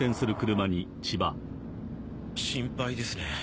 心配ですね。